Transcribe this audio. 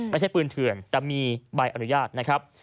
ไม่ใช่ปืนเถื่อนแต่มีใบอนุญาตนะครับ